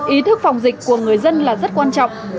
ý thức phòng dịch của người dân là rất quan trọng